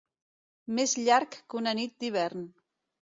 Més llarg que una nit d'hivern.